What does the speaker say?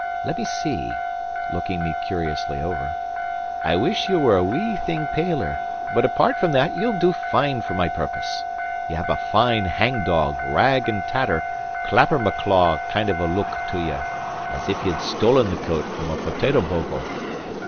Let me see" (looking me curiously over). "I wish ye were a wee thing paler; but apart from that ye'll do fine for my purpose ye have a fine, hang dog, rag and tatter, clappermaclaw kind of a look to ye, as if ye had stolen the coat from a potato bogle.